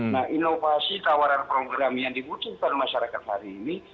nah inovasi tawaran program yang dibutuhkan masyarakat hari ini